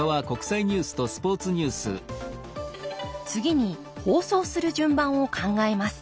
次に放送する順番を考えます。